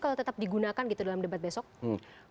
kalau tetap digunakan gitu dalam debat besok